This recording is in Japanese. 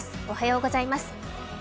おはようございます。